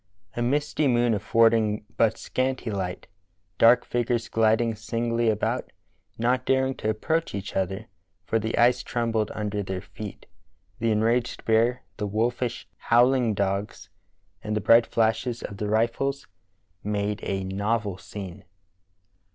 A misty moon affording but scanty light, dark figures gliding singly about, not daring to approach each other, for the ice trembled under their feet, the enraged bear, the wolfish, howling dogs, and the bright flashes of the rifles made a novel scene."